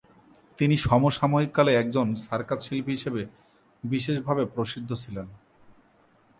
তিনি সমসাময়িক কালে একজন সার্কাস শিল্পী হিসাবে বিশেষভাবে প্রসিদ্ধ ছিলেন।